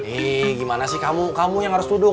eh gimana sih kamu kamu yang harus duduk